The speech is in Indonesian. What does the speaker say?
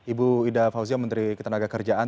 ibu ida fauzia menteri ketenagakerjaan